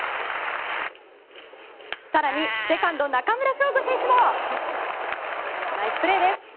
更にセカンド、中村奨吾選手もナイスプレーです。